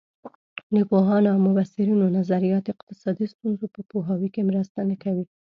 د پوهانو او مبصرینو نظریات اقتصادي ستونزو په پوهاوي کې مرسته نه کوي.